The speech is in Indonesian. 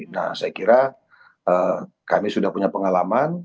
nah saya kira kami sudah punya pengalaman